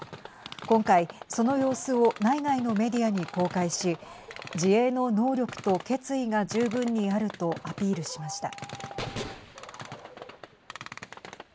今回、その様子を内外のメディアに公開し自衛の能力と決意が十分にあるとアピールしました。